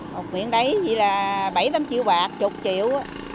một miệng đấy chỉ là bảy tám triệu bạc chục triệu